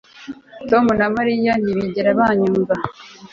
Tom na Mariya ntibigera banyumva